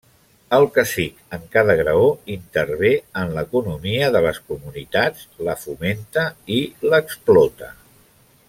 El cacic, en cada graó, intervé en l'economia de les comunitats, la fomenta i l'explota.